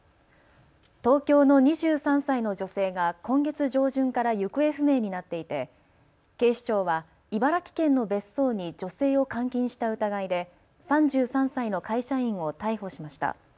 東京の２３歳の女性が今月上旬から行方不明になっていて警視庁は茨城県の別荘に女性を監禁した疑いで３３歳の会社員を逮捕しました。